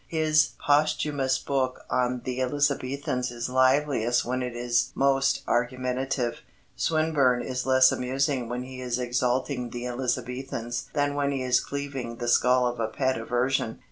His posthumous book on the Elizabethans is liveliest when it is most argumentative. Swinburne is less amusing when he is exalting the Elizabethans than when he is cleaving the skull of a pet aversion.